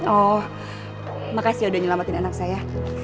oh makasih ya udah nyelamatin anak saya